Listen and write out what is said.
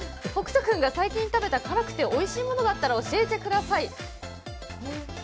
最近食べた辛くておいしいものがあったら教えてください。